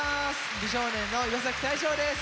美少年の岩大昇です。